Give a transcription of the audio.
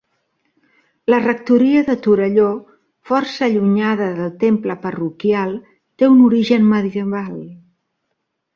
La rectoria de Torelló, força allunyada del temple parroquial, té un origen medieval.